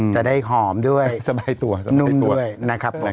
จะได้หอมด้วยนุ่มด้วยนะครับ